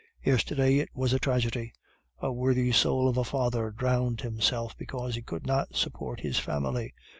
Yesterday it was a tragedy. A worthy soul of a father drowned himself because he could not support his family.